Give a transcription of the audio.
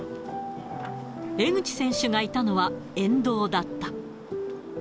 江口選手がいたのは沿道だった。